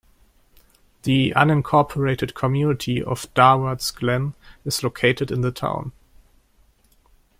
The unincorporated community of Durwards Glen is located in the town.